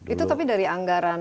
itu tapi dari anggaran